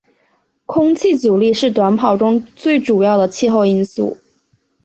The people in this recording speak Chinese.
空气阻力是短跑中最主要的气候因素。